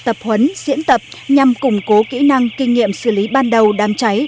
tập huấn diễn tập nhằm củng cố kỹ năng kinh nghiệm xử lý ban đầu đám cháy